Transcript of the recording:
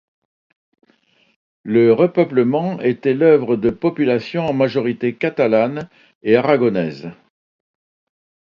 Le repeuplement était l'œuvre de populations en majorité catalanes et aragonaises.